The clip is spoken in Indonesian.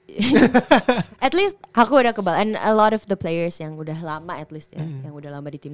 setidaknya aku udah kebal dan banyak pemain yang udah lama di tim